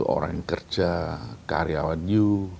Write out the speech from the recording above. orang yang kerja karyawan new